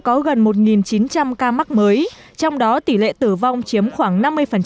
một chín trăm linh ca mắc mới trong đó tỷ lệ tử vong chiếm khoảng năm mươi